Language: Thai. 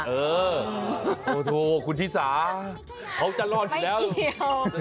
เออโอ้โธ่คุณธิสาเขาจะรอดอยู่แล้วไม่เกี่ยว